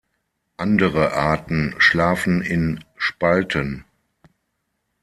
Andere Arten schlafen in Spalten.